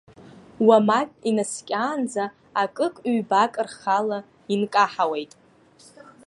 Уамак инаскьаанӡа, акык-ҩбак рхала инкаҳауеит.